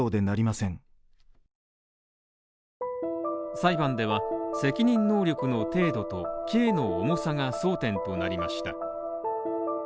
裁判では責任能力の程度と刑の重さが争点となりました